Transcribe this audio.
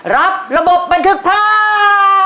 รับระบบบันทึกภาพ